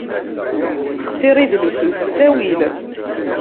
Xtir idlisen s ttawil.